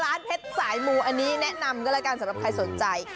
เพชรสายมูอันนี้แนะนำก็แล้วกันสำหรับใครสนใจ